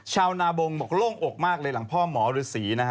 ชาวนาบงบอกโล่งอกมากเลยหลังพ่อหมอฤษีนะฮะ